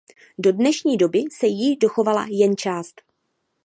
Do dnešní doby se jí dochovala jen část.